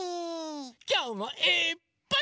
きょうもいっぱい。